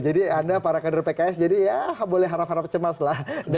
jadi ada para kader pks jadi ya boleh harap harap cemas lah